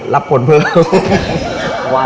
รับผลเพิ่ม